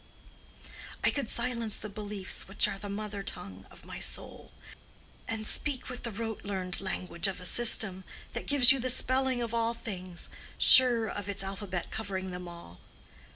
I could silence the beliefs which are the mother tongue of my soul and speak with the rote learned language of a system, that gives you the spelling of all things, sure of its alphabet covering them all.